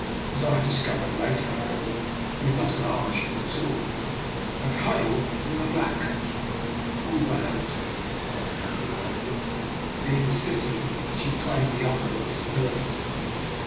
As I dis covered later, however, he was not an Irish man at all, but hailed from the Black Coun try — Wolverhampton, if I remember rightly, being the city which claimed the honour of his birth.